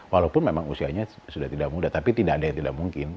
walaupun memang usianya sudah tidak muda tapi tidak ada yang tidak mungkin